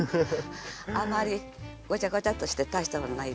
あまりごちゃごちゃっとして大したものないですけど。